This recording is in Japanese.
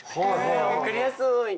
へえ分かりやすい！